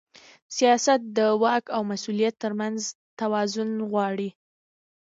سیاست د واک او مسؤلیت ترمنځ توازن غواړي